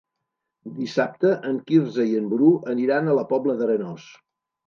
Dissabte en Quirze i en Bru aniran a la Pobla d'Arenós.